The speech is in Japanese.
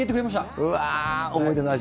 うわー、思い出の味。